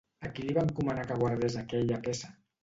A qui li va encomanar que guardés aquella peça?